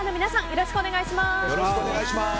よろしくお願いします。